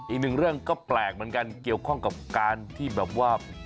อีกหนึ่งเรื่องก็แปลกเหมือนกันเกี่ยวข้องกับการที่แบบว่า